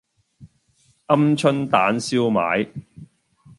鵪鶉蛋燒賣